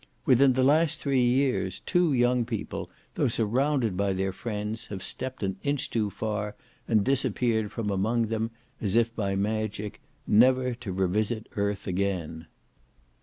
Within the last three years two young people, though surrounded by their friends, have stepped an inch too far, and disappeared from among them, as if by magic, never to revisit earth again.